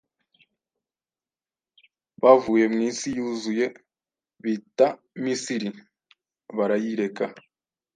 Bavuye mwisi yuzuye: Bita Misiri, barayireka.